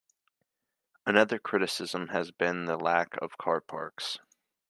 Another criticism has been the lack of car parks.